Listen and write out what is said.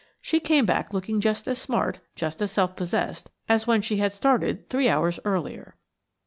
She came back looking just as smart, just as self possessed, as when she had started three hours earlier.